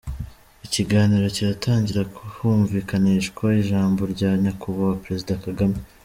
Ikiganiro kiratangira humvikanishwa ijambo rya Nyakubahwa Perezida Kagame.